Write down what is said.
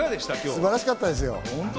素晴らしかったですよ。